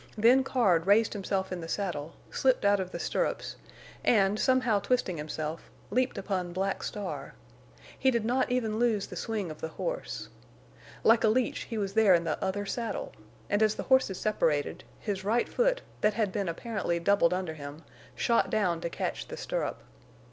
Then Card raised himself in the saddle, slipped out of the stirrups, and, somehow twisting himself, leaped upon Black Star. He did not even lose the swing of the horse. Like a leech he was there in the other saddle, and as the horses separated, his right foot, that had been apparently doubled under him, shot down to catch the stirrup.